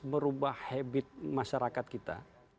merubah habit masyarakat kita